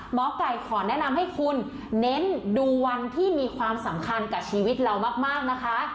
หมอไก่ขอแนะนำให้คุณเน้นดูวันที่มีความสำคัญกับชีวิตเรามากนะคะ